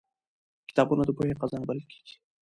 کتابونه د پوهې خزانه بلل کېږي